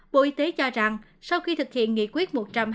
bộ y tế cho rằng sau khi thực hiện nghị quyết một trăm hai mươi